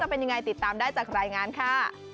เป็นยังไงติดตามได้จากรายงานค่ะ